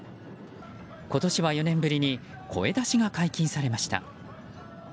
今年は４年ぶりに声出しが解禁されました。